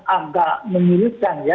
agak menirukan ya